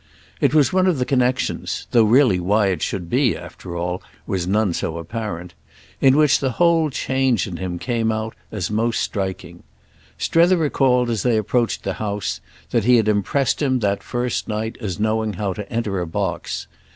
It was one of the connexions—though really why it should be, after all, was none so apparent—in which the whole change in him came out as most striking. Strether recalled as they approached the house that he had impressed him that first night as knowing how to enter a box.